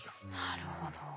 なるほど。